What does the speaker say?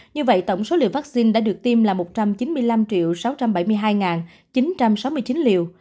như vậy tổng số liều vaccine đã được tiêm là một trăm chín mươi năm sáu trăm bảy mươi hai chín trăm sáu mươi chín liều